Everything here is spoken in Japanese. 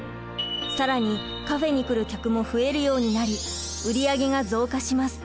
更にカフェに来る客も増えるようになり売り上げが増加します。